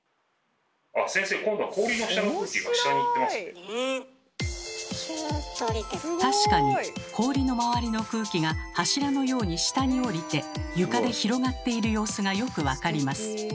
あっ先生今度は確かに氷の周りの空気が柱のように下におりて床で広がっている様子がよく分かります。